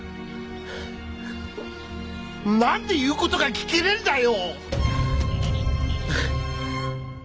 何で言う事が聞けねえんだよ！